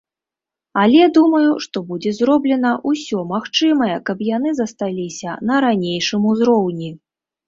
Але, думаю, што будзе зроблена ўсё магчымае, каб яны засталіся на ранейшым узроўні.